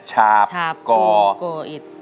ชาปก่อชาปก่ออิด